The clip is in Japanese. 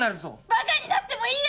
バカになってもいいです！